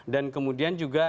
dan kemudian juga